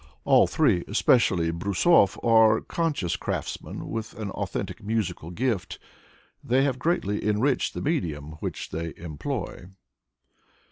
All three, especially Brusov, are conscious crafts men, with an authentic musical gift. They have greatly enriched the medium which they employ.